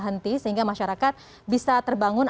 henti sehingga masyarakat bisa terbangun